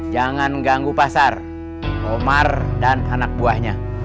jangan ganggu pasar omar dan anak buahnya